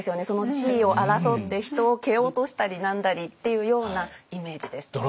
その地位を争って人を蹴落としたり何だりっていうようなイメージです。